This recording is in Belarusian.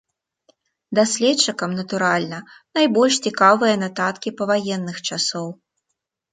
Даследчыкам, натуральна, найбольш цікавыя нататкі паваенных часоў.